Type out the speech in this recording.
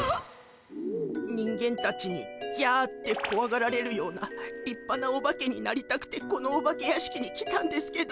人間たちにギャってこわがられるような立派なオバケになりたくてこのお化け屋敷に来たんですけど。